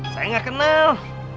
saya gak kenal